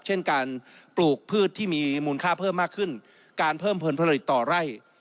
เช่นการปลูกพืชที่มีมูลค่าเพิ่มมากขึ้นการเพิ่มผลผลิตต่อไร่